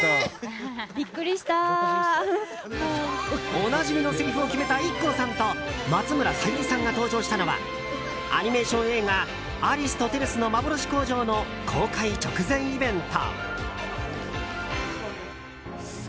おなじみのせりふを決めたＩＫＫＯさんと松村沙友理さんが登場したのはアニメーション映画「アリスとテレスのまぼろし工場」の公開直前イベント。